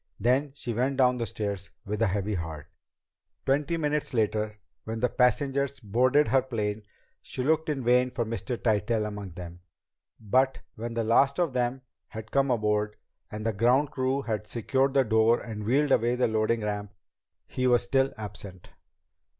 Then she went down the stairs with a heavy heart. Twenty minutes later, when the passengers boarded her plane, she looked in vain for Mr. Tytell among them. But when the last of them had come aboard, and the ground crew had secured the door and wheeled away the loading ramp, he was still absent.